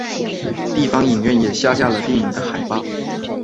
地方影院也下架了电影的海报。